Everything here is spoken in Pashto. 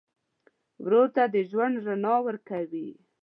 ورور ته د ژوند رڼا ورکوې.